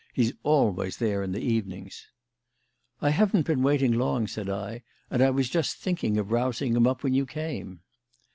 He's always there in the evenings." "I haven't been waiting long," said I, "and I was just thinking of rousing him up when you came."